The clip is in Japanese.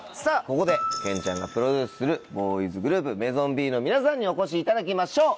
ここでケンちゃんがプロデュースするボーイズグループＭａｉｓｏｎＢの皆さんにお越しいただきましょう。